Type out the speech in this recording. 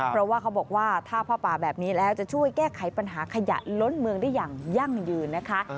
เพราะว่าเขาบอกว่าถ้าผ้าป่าแบบนี้แล้วจะช่วยแก้ไขปัญหาขยะล้นเมืองได้อย่างยั่งยืนนะคะ